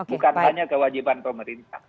bukan hanya kewajiban pemerintah